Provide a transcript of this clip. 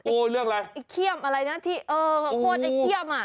โอ้เรื่องอะไรอิเคลียมอะไรนี้ที่